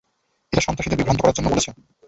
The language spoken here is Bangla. এটা সন্ত্রাসীদের বিভ্রান্ত করার জন্য বলেছে।